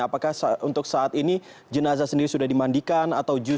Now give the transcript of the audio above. apakah untuk saat ini jenazah sendiri sudah dimandikan